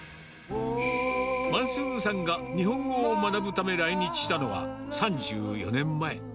マンスールさんが日本語を学ぶため来日したのは、３４年前。